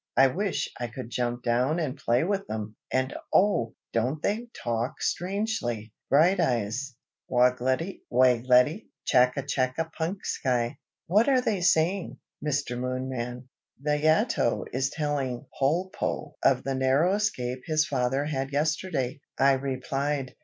"I wish I could jump down and play with them! and oh! don't they talk strangely, Brighteyes? 'Wogglety wagglety, chacka chacka punksky' what are they saying, Mr. Moonman?" "Nayato is telling Polpo of the narrow escape his father had yesterday," I replied.